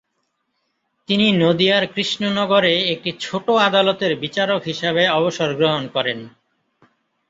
তিনি নদিয়ার কৃষ্ণনগরে একটি ছোট আদালতের বিচারক হিসাবে অবসর গ্রহণ করেন।